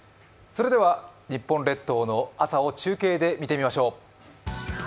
日本列島の朝を中継で見てみましょう。